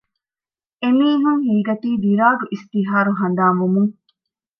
އެމީހުން ހީނގަތީ ދިރާގް އިސްތިހާރު ހަނދާން ވުމުން